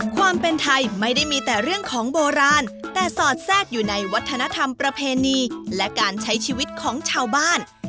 ความเป็นไทยไม่ได้มีแต่เรื่องของโบราณแต่สอดแทรกอยู่ในวัฒนธรรมประเพณีและการใช้ชีวิตของชาวบ้าน